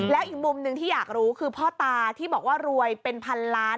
แล้วอีกมุมหนึ่งที่อยากรู้คือพ่อตาที่บอกว่ารวยเป็นพันล้าน